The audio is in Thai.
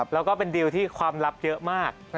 แล้วก็เป็นดิวที่ความลับเยอะมาก